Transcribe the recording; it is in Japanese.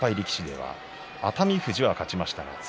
力士では熱海富士が勝ちました。